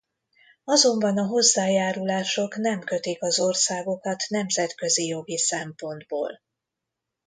Azonban a hozzájárulások nem kötik az országokat nemzetközi jogi szempontból.